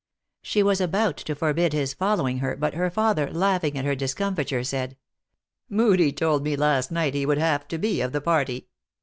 She was about to forbid his following her, but her father, laughing at her discomfiture, said, " Moodie told me last night that he would have to be of the party.